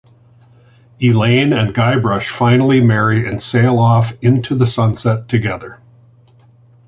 Elaine and Guybrush finally marry and sail off into the sunset together.